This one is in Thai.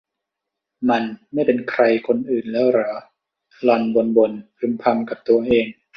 มันไม่เป็นใครคนอื่นแล้วหรอ หล่อนบ่นบ่นพึมพำกับตัวเอง